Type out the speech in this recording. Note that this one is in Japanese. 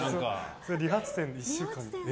理髪店で１週間。